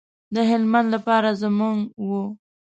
د هلمند لپاره زموږ و.